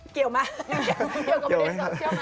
เกลียวกับประเด็นโซเซียลมั้ย